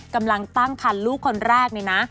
กำลังตั้งคันลูกคนแรกเลยนะ